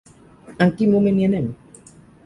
En quin moment hi anem?